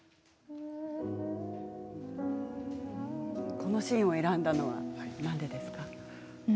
このシーンを選んだのはなんでですか？